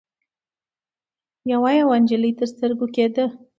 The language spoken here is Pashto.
يوه يوه نجلۍ تر سترګو کېده.